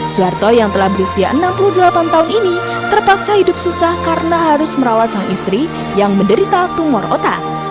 suharto yang telah berusia enam puluh delapan tahun ini terpaksa hidup susah karena harus merawat sang istri yang menderita tumor otak